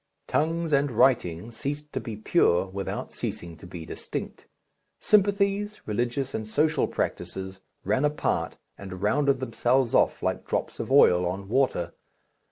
Tongues and writing ceased to be pure without ceasing to be distinct. Sympathies, religious and social practices, ran apart and rounded themselves off like drops of oil on water.